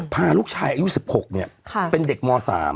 พาลูกชายอายุ๑๖เป็นเด็กม๓